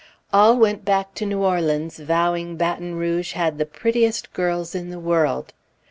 All went back to New Orleans vowing Baton Rouge had the prettiest girls in the world.